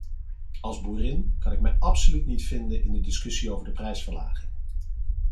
Als boerin kan ik mij absoluut niet vinden in de discussie over de prijsverlaging.